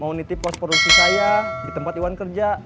mau nitip pos produksi saya di tempat iwan kerja